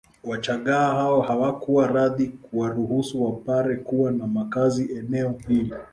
Wachagga hao hawakuwa radhi kuwaruhusu Wapare kuwa na makazi eneo hili